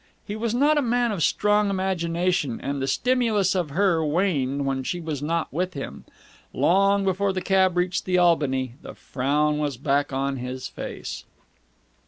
He was not a man of strong imagination, and the stimulus of her waned when she was not with him. Long before the cab reached the Albany the frown was back on his face.